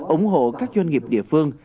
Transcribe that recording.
ủng hộ các doanh nghiệp địa phương